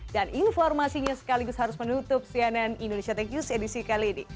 dan informasinya sekaligus harus menutup cnn indonesia thank yous edisi kali ini